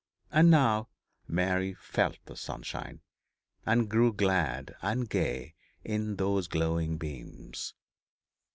And now Mary felt the sunshine, and grew glad and gay in those glowing beams.